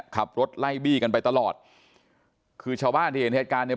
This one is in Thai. ขับรถไล่บี้กันไปตลอดคือชาวบ้านที่เห็นเหตุการณ์เนี่ย